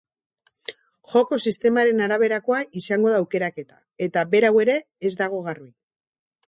Joko-sistemaren araberakoa izango da aukeraketa eta berau ere ez dago garbi.